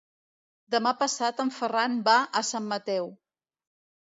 Demà passat en Ferran va a Sant Mateu.